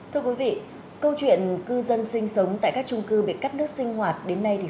thưa quý vị câu chuyện cư dân sinh sống tại các trung cư bị cắt nước sinh hoạt đến nay